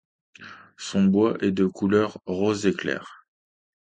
Son bois est de couleur rosé-clair.